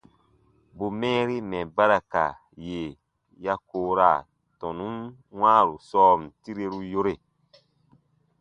Bù mɛɛri mɛ̀ ba ra ka yè ya koora tɔnun wãaru sɔɔn tireru yore.